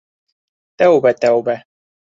Тәүбә, тәүбә!..